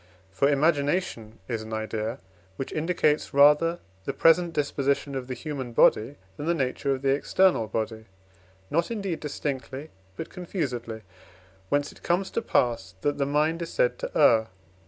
For imagination is an idea, which indicates rather the present disposition of the human body than the nature of the external body; not indeed distinctly, but confusedly; whence it comes to pass, that the mind is said to err.